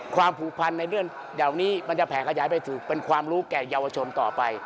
ความผูกพันในเรื่องเหล่านี้มันจะแผ่ขยายไปสู่เป็นความรู้แก่เยาวชนต่อไป